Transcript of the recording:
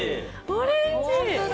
オレンジ！